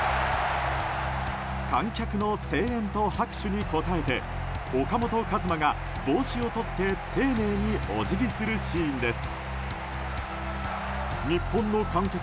観客の声援と拍手に応えて岡本和真が帽子を取って丁寧にお辞儀するシーンです。